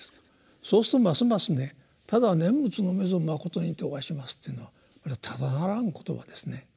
そうするとますますね「ただ念仏のみぞまことにておはします」っていうのはこれただならぬ言葉ですね。